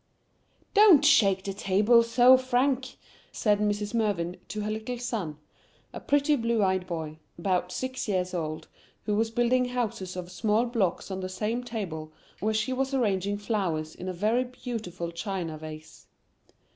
"Don't shake the table so, Frank," said Mrs. Mervyn to her little son, a pretty blue eyed boy, about six years old, who was building houses of small blocks on the same table where she was arranging flowers in a very beautiful China Vase.